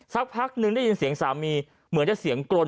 สักพักนึงได้ยินเสียงสามีเหมือนจะเสียงกรน